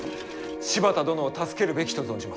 柴田殿を助けるべきと存じます。